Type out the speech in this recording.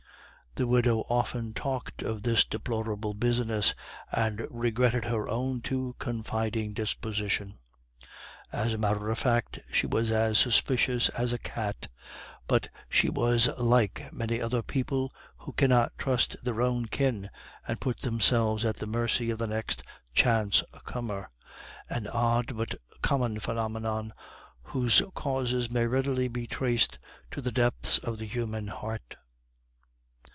The widow often talked of this deplorable business, and regretted her own too confiding disposition. As a matter of fact, she was as suspicious as a cat; but she was like many other people, who cannot trust their own kin and put themselves at the mercy of the next chance comer an odd but common phenomenon, whose causes may readily be traced to the depths of the human heart.